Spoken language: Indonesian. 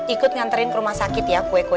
ikut nganterin ke rumah sakit ya kueku